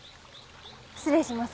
失礼します。